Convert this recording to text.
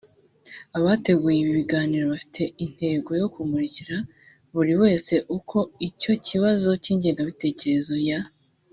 abateguye ibi biganiro bafite intego yo kumurikira buri wese uko icyo kibazo cy’ingengabitekerezo ya